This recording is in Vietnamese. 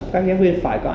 các giáo viên phải có